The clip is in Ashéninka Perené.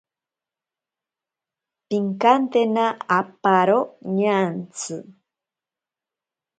Pinkantena aparo ñantsi.